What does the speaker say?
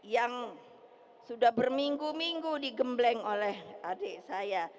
yang sudah berminggu minggu digembleng oleh adik saya